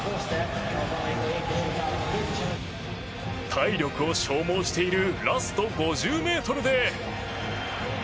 体力を消耗しているラスト５０ｍで。